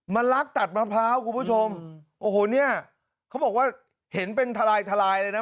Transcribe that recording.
ลักตัดมะพร้าวคุณผู้ชมโอ้โหเนี่ยเขาบอกว่าเห็นเป็นทลายทลายเลยนะ